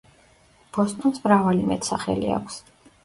ბოსტონს მრავალი მეტსახელი აქვს.